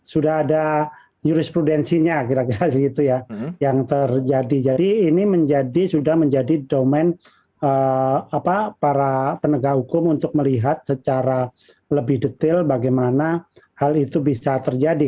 sudah ada jurisprudensinya kira kira gitu ya yang terjadi jadi ini sudah menjadi domain para penegak hukum untuk melihat secara lebih detail bagaimana hal itu bisa terjadi